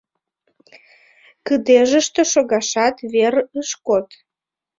Кыдежыште шогашат вер ыш код.